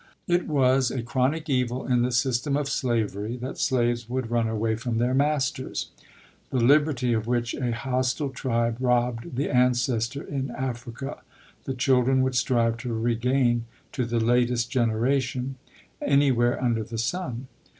It was a chronic evil in the system of slavery that slaves would run away from their masters. The liberty of which a hostile tribe robbed the an cestor in Africa, the children would strive to regain to the latest generation, anywhere under the sun.